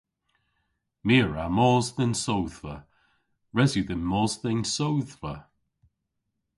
My a wra mos dhe'n sodhva. Res yw dhymm mos dhe'n sodhva.